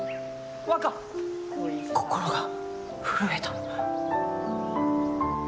心が震えた。